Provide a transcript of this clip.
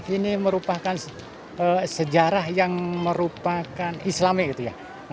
ini merupakan sejarah yang merupakan islami